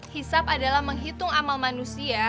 hisap adalah menghitung amal manusia